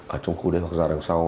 ở trong khu đấy hoặc ra đằng sau